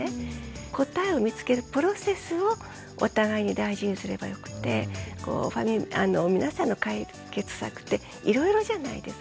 答えを見つけるプロセスをお互いに大事にすればよくて皆さんの解決策っていろいろじゃないですか。